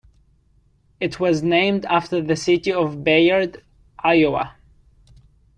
It was named after the city of Bayard, Iowa.